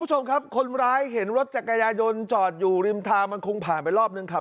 คุณผู้ชมครับคนร้ายเห็นรถจักรยายนจอดอยู่ริมทางมันคงผ่านไปรอบนึงครับ